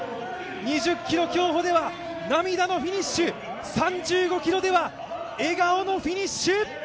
２０ｋｍ競歩では涙のフィニッシュ、３５ｋｍでは笑顔のフィニッシュ。